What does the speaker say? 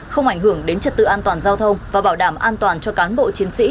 không ảnh hưởng đến trật tự an toàn giao thông và bảo đảm an toàn cho cán bộ chiến sĩ